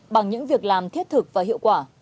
bằng những việc làm thiết thực và hiệu quả